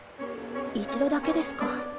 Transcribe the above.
一度だけですか。